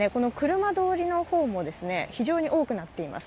車通りの方も、非常に多くなっています。